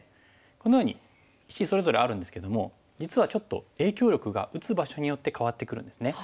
このように石それぞれあるんですけども実はちょっと影響力が打つ場所によって変わってくるんですね。